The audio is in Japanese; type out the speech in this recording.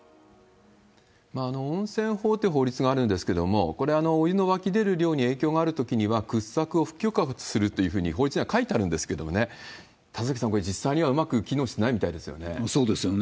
温泉法っていう法律があるんですけれども、これ、お湯の湧き出る量に影響があるときには、掘削を不許可するというふうに法律には書いてあるんですけれどもね、田崎さん、これ、実際にはうまく機能してないみたいですよね。